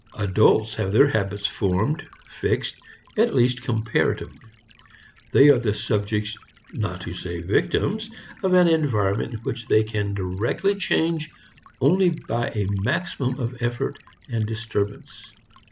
Adults have their habits formed, fixed, at least comparatively. They are the subjects, not to say victims, of an environment which they can directly change only by a maximum of effort and disturbance.